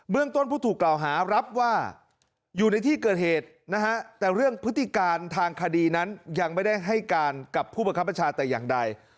เรื่องต้นผู้ถูกกล่าวหารับว่าอยู่ในที่เกิดเหตุนะฮะแต่เรื่องพฤติการทางคดีนั้นยังไม่ได้ให้การกับผู้บังคับประชาแต่อย่างใด